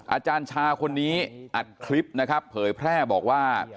อาจารย์ชาคนนี้อัดคลิปนะครับเผยแพร่บอกว่า